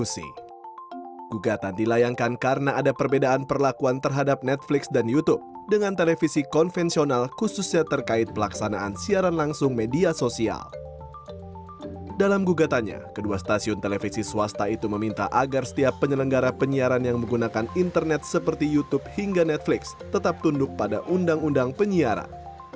seperti youtube hingga netflix tetap tunduk pada undang undang penyiaran